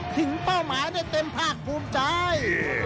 เป้าหมายได้เต็มภาคภูมิใจ